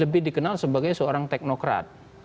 lebih dikenal sebagai seorang teknokrat